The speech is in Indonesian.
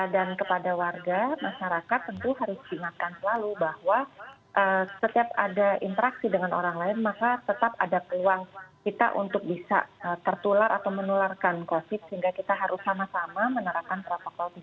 dan kepada warga masyarakat tentu harus diingatkan selalu bahwa setiap ada interaksi dengan orang lain maka tetap ada peluang kita untuk bisa tertular atau menularkan covid sehingga kita harus sama sama menerapkan protokol tiga r